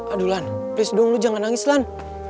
aduh lan please dong lo jangan nangis lan